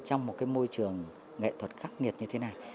trong một cái môi trường nghệ thuật khắc nghiệt như thế này